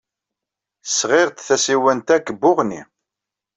Sɣiɣ-d tasiwant-a deg Buɣni.